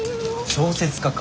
小説家か。